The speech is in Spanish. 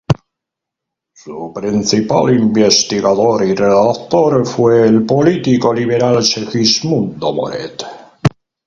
Su principal instigador y redactor fue el político liberal Segismundo Moret.